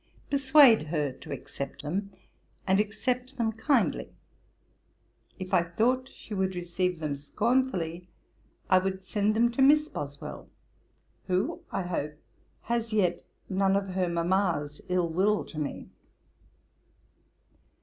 Persuade her to accept them, and accept them kindly. If I thought she would receive them scornfully, I would send them to Miss Boswell, who, I hope, has yet none of her mamma's ill will to me.